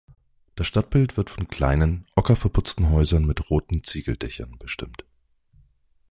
Das Stadtbild wird von kleinen, ocker verputzten Häusern mit roten Ziegeldächern bestimmt.